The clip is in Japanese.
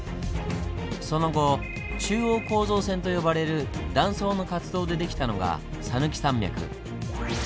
その後中央構造線と呼ばれる断層の活動で出来たのが讃岐山脈。